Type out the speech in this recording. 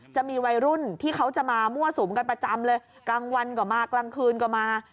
จะมีวัยรุ่นที่เขาจะมามั่วสุมกันประจำเลยกลางวันก็มากลางคืนก็มา